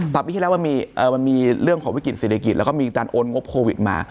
ปีที่แล้วมันมีเรื่องของวิกฤตเศรษฐกิจแล้วก็มีการโอนงบโควิดมา